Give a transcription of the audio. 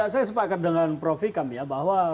saya sepakat dengan prof ikam ya bahwa